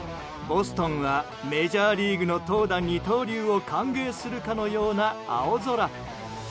ボストンはメジャーリーグの投打二刀流を歓迎するかのような青空。